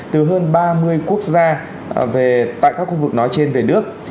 từ hơn ba mươi quốc gia về tại các khu vực việt nam